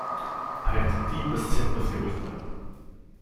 I have the deepest sympathy with them.